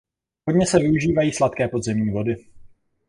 Hodně se využívají sladké podzemní vody.